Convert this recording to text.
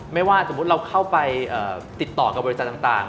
ไม่ว่าสมมุติเราเข้าไปติดต่อกับบริษัทต่าง